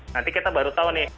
nanti kita baru tahu nih